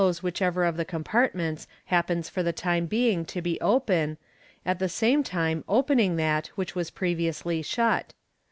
se whichever of the compartments happens for the time being to be open, at the same time opening that which was previously shut.